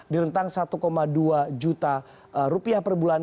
direntang satu dua juta rupiah per bulan